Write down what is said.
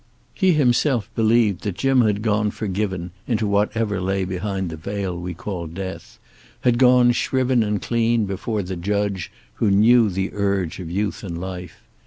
He himself believed that Jim had gone forgiven into whatever lay behind the veil we call death, had gone shriven and clean before the Judge who knew the urge of youth and life.